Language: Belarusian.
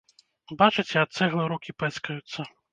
Бачыце, ад цэглы рукі пэцкаюцца?